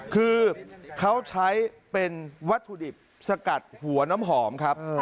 คือเขาใช้เป็นวัตถุดิบสกัดหัวน้ำหอมครับ